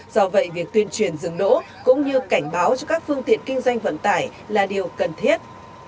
do vậy việc tuyên truyền dừng đỗ cũng như cảnh báo cho các phương tiện kinh doanh vận tải là điều cần thiết